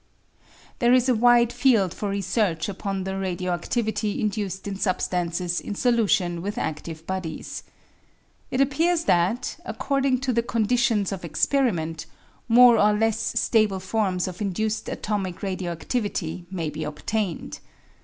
There is a wide field for research upon the radio adivity induced in substances in solution with adive bodies. It appears that, according to the conditions of experiment, more or less stable forms of induced atomic radio adivity may be obtained.